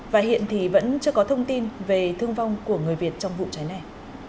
và hiện thì vẫn chưa có thông tin về thương vong của người việt trong vụ cháy này